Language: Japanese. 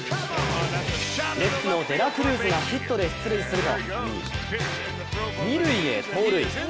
レッズのデラクルーズがヒットで出塁すると二塁へ盗塁。